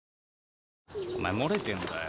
お前漏れてんだよ。